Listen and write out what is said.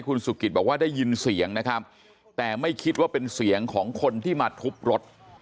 คุณสุกิตบอกว่าได้ยินเสียงนะครับแต่ไม่คิดว่าเป็นเสียงของคนที่มาทุบรถ